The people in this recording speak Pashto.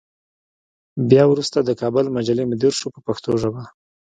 بیا وروسته د کابل مجلې مدیر شو په پښتو ژبه.